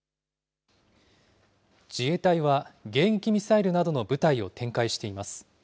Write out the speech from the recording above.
自衛隊は迎撃ミサイルなどの部隊を展開しています。